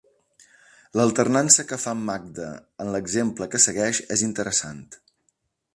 L'alternança que fa Magda en l'exemple que segueix és interessant.